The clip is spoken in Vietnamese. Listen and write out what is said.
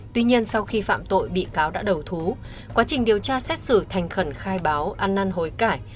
tuy nhiên sau khi phạm tội bị cáo đã đầu thú quá trình điều tra xét xử thành khẩn khai báo ăn năn hối cải